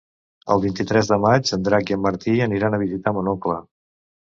El vint-i-tres de maig en Drac i en Martí aniran a visitar mon oncle.